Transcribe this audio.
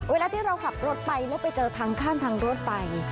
เวลาที่เราขับรถไปแล้วไปเจอทางข้ามทางรถไป